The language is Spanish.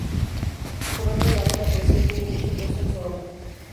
Por otro lado, la poesía tiene mucho peso en su obra.